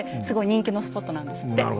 すごい人気のスポットなんですって。